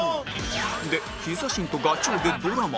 でヒザ神とガチ王でドラマ？